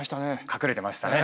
隠れてましたね